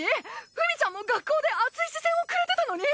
フミちゃんも学校で熱い視線をくれてたのに？